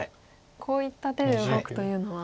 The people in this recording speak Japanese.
こういった手で動くというのは。